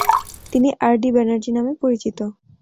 তিনি R. D. Banerjee নামে পরিচিত।